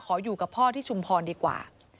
ขออยู่กับพ่อที่ชุมพรดีกว่า